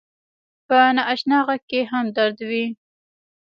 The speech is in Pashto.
په ناآشنا غږ کې هم درد وي